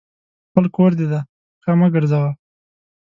خپل کور دي دی ، پښه مه ګرځوه !